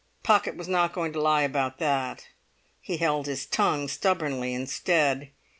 Pocket was not going to lie about that; he held his tongue stubbornly instead.